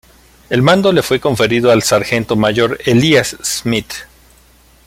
El mando le fue conferido al sargento mayor Elías Smith.